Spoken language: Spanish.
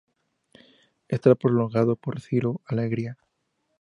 Está prologado por Ciro Alegría.